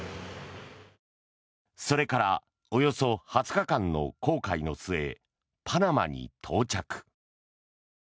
それからおよそ２０日間の航海の末、パナマに到着。